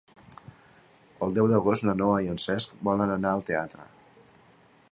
El deu d'agost na Noa i en Cesc volen anar al teatre.